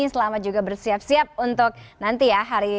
selamat juga bersiap siap untuk nanti ya hari ini